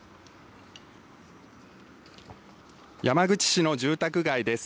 山口市の住宅街です。